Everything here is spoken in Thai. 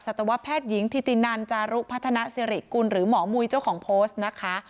ตวแพทย์หญิงทิตินันจารุพัฒนาสิริกุลหรือหมอมุยเจ้าของโพสต์นะคะ